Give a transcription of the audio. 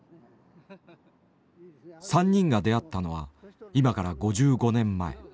３人が出会ったのは今から５５年前。